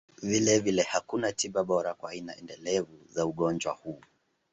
Vilevile, hakuna tiba bora kwa aina endelevu za ugonjwa huu.